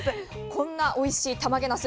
こんなおいしいたまげなす